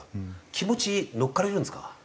気持ち乗っかれるんですか？